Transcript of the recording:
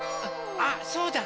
あっそうだ！